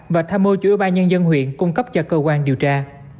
và tham mô chủ yếu ba nhân dân huyện cung cấp cho cơ quan điều tra